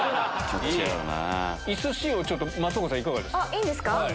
いいんですか？